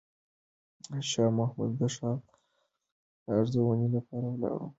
شاه محمود د ښار دننه د خطر د ارزونې لپاره ولاړ و.